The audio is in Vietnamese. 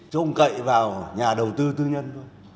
chứ không cậy vào nhà đầu tư tư nhân